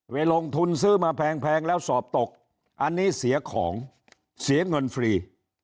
ลงทุนซื้อมาแพงแล้วสอบตกอันนี้เสียของเสียเงินฟรี